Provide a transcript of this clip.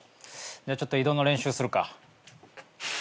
ちょっと移動の練習するか。